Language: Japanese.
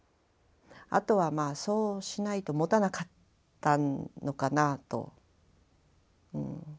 あとはまあそうしないともたなかったのかなと。